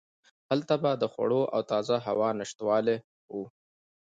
هلته به د خوړو او تازه هوا نشتوالی و.